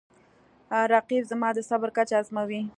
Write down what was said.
رقیب زما د صبر کچه ازموي